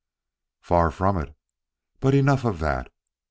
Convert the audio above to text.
"Far from it. But enough of that.